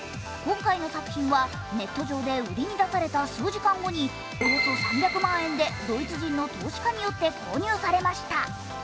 今回の作品はネット上で売りに出された数時間後におよそ３００万円でドイツ人の投資家によって購入されました。